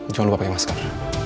jangan lupa pakai masker